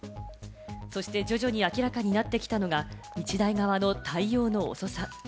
そして徐々に明らかになってきたのが、日大側の対応の遅さ。